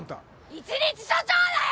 １日署長だよ！